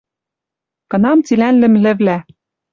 Кынам цилӓн лӹмлӹвлӓ —